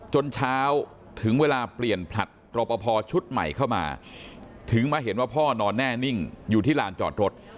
จนเช้าถึงเวลาเปลี่ยนผลัดรอปภชุดใหม่เข้ามาถึงมาเห็นว่าพ่อนอนแน่นิ่งอยู่ที่ลานจอดรถ